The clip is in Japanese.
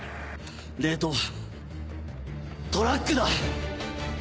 冷凍トラックだ！